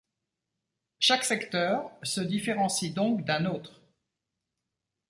Chaque secteur se différencie donc d'un autre.